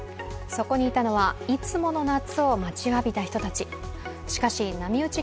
そこにいたのはいつもの夏を待ちわびた人たち。